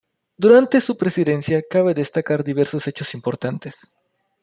Durante su presidencia cabe destacar diversos hechos importantes.